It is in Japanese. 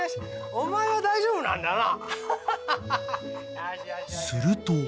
お前は大丈夫なんだな。